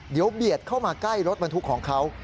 เดี๋ยวเบียดเข้ามาใกล้รถบรรทุกของเขา